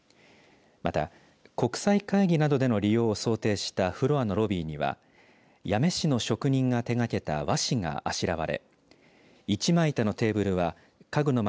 また国際会議などでの利用を想定したフロアのロビーには八女市の職人が手がけた和紙があしらわれ一枚板のテーブルは家具の町